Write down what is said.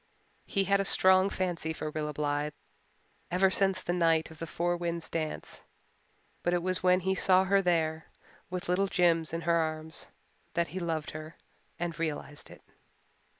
He had had a strong fancy for Rilla Blythe ever since the night of the Four Winds dance; but it was when he saw her there, with little Jims in her arms, that he loved her and realized it.